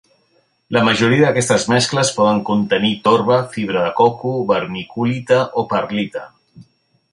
La majoria d’aquestes mescles poden contenir torba, fibra de coco, vermiculita o perlita.